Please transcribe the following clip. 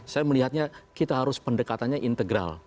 saya melihatnya kita harus pendekatannya integral